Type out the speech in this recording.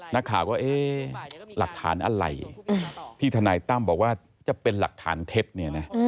นักข่าวก็เอ๊ะหลักฐานอะไรที่ทนายตั้มบอกว่าจะเป็นหลักฐานเท็จเนี่ยนะ